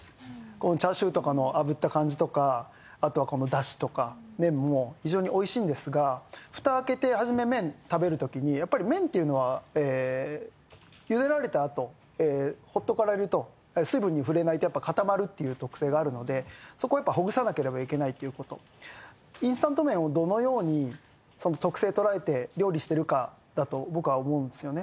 このチャーシューとかのあぶった感じとかあとはこのダシとか麺も非常においしいんですが蓋開けて初め麺食べるときにやっぱり麺っていうのはゆでられたあとほっとかれると水分に触れないとやっぱ固まるっていう特性があるのでそこをやっぱほぐさなければいけないっていうことインスタント麺をどのようにその特性捉えて料理してるかだと僕は思うんですよね